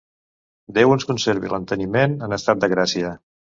Déu ens conservi l'enteniment en estat de gràcia.